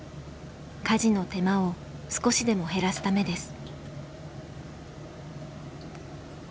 家事の手間を少しでも減らすためです。